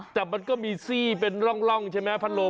แต่มันก็มีซี่เป็นร่องใช่ไหมพัดลม